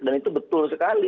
dan itu betul sekali